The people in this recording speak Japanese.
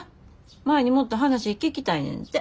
舞にもっと話聞きたいねんて。